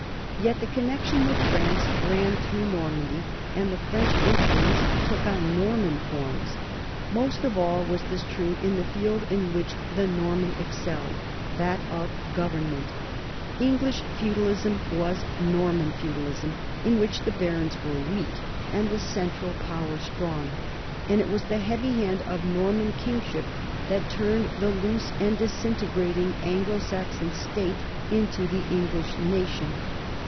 Yet the connec tion with France ran through Normandy, and the French influence took on Norman forms. Most of all was this true in the field in which the Norman excelled, that of government: English feudalism was Norman feu dalism, in which the barons were weak and the central power strong, and it was the heavy hand of Norman kingship that turned the loose and disintegrating An glo Saxon state into the English nation.